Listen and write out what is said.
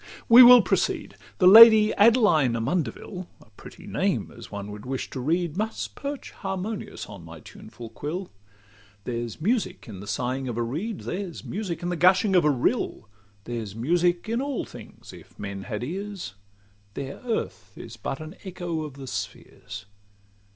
—We will proceed. The Lady Adeline Amundeville, A pretty name as one would wish to read, Must perch harmonious on my tuneful quill. There's music in the sighing of a reed; There's music in the gushing of a rill; There's music in all things, if men had ears: Their earth is but an echo of the spheres.